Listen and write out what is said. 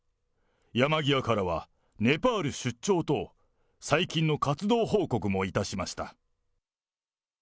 山際からはネパール出張と、最近の活動報告もいたしました。